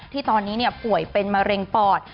ที่ตอนนี้ป่วยเป็นมะเร็งปอด